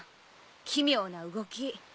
奇妙な動き。